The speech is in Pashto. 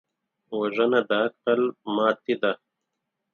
وژنه د عقل ماتې ده